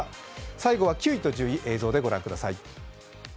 最後は９位と１０位、映像でご覧ください。